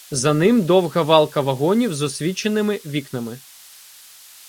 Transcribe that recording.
За ним — довга валка вагонів з освіченими вікнами.